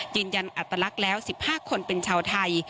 ยืนยันอัตลักษณ์แล้ว๑๕คนเป็นชาวไทย